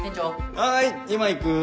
・はい今行く！